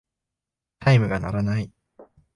チャイムが鳴らない。